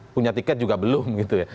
punya tiket juga belum gitu ya